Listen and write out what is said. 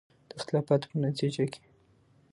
د اختلافاتو په نتیجه کې